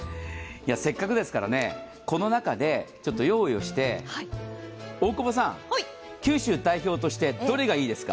せっかくですから、この中で用意をして大久保さん、九州代表としてどれがいいですか？